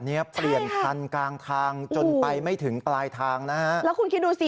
เนี้ยเปลี่ยนคันกลางทางจนไปไม่ถึงปลายทางนะฮะแล้วคุณคิดดูสิ